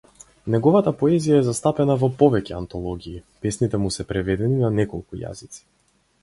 Неговата поезија е застапена во повеќе антологии, песните му се преведени на неколку јазици.